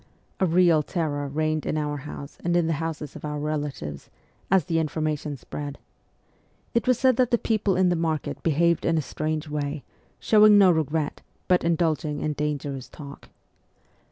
A real terror reigned in our house and in the houses of our relatives, as the information spread. It was said that the people in the market behaved in a strange way, showing no regret, but indulging in dangerous talk.